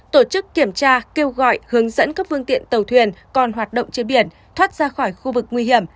tổ chức kiểm tra kêu gọi hướng dẫn các phương tiện tàu thuyền còn hoạt động trên biển thoát ra khỏi khu vực nguy hiểm